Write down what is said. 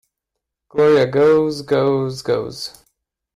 Gloria goes, goes, goes.